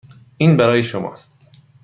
این برای شماست.